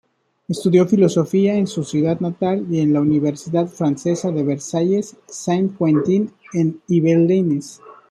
Estudió Filosofía en su ciudad natal y en la universidad francesa de Versailles Saint-Quentin-en-Yvelines.